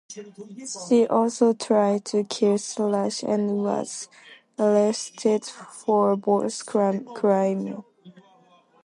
She also tried to kill Sarah and was arrested for both crimes.